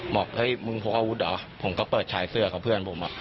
บอกมึงพกวุฒิเหรอผมก็เปิดชายเสื้อกับเพื่อนผม